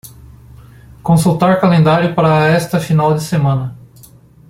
Consultar calendário para esta final de semana.